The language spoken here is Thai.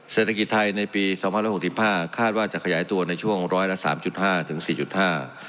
เศรษฐกิจไทยในปีสองพันร้อยหกสิบห้าคาดว่าจะขยายตัวในช่วงร้อยละสามจุดห้าถึงสี่จุดห้า